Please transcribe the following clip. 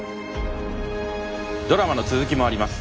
ドラマの続きもあります。